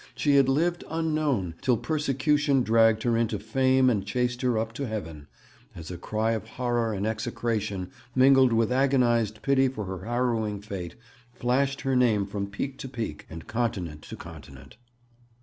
She had 'lived unknown till persecution dragged her into fame and chased her up to heaven,' as a cry of horror and execration, mingled with agonized pity for her harrowing fate, flashed her name from peak to peak and continent to continent.